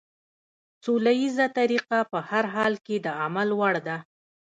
سوله ييزه طريقه په هر حال کې د عمل وړ ده.